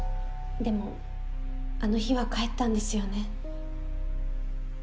でもあの日は帰ったんですよね？